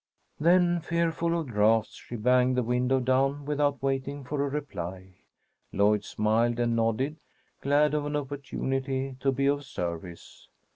Then, fearful of draughts, she banged the window down without waiting for a reply. Lloyd smiled and nodded, glad of an opportunity to be of service.